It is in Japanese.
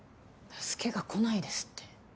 助けが来ないですって？